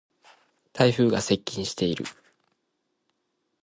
台風が接近している。